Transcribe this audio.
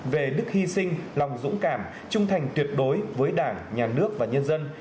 về đức hy sinh lòng dũng cảm trung thành tuyệt đối với đảng nhà nước và nhân dân